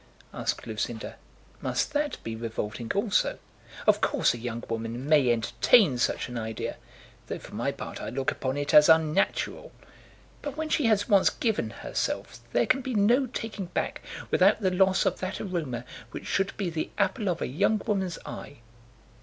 asked Lucinda. "Must that be revolting also?" "Of course a young woman may entertain such an idea; though for my part I look upon it as unnatural. But when she has once given herself there can be no taking back without the loss of that aroma which should be the apple of a young woman's eye."